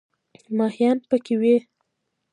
ماهیان پکې وي.